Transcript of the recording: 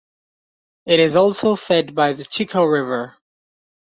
It is also fed by the Chico River.